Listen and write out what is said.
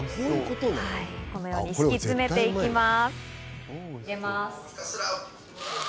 このように敷き詰めていきます。